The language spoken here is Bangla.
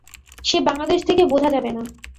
সে বাংলাদেশে থেকে বোঝা যাবে না।